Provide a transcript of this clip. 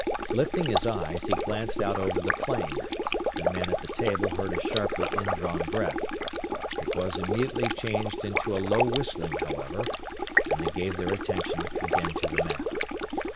Lifting his eyes, he glanced out over the plain. The men at the table heard a sharply indrawn breath. It was immediately changed into a low whistling, however, and they gave their attention again to the map.